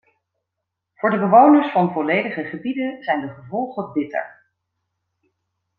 Voor de bewoners van volledige gebieden zijn de gevolgen bitter.